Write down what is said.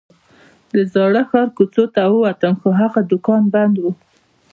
د زاړه ښار کوڅو ته ووتلم خو هغه دوکان بند و.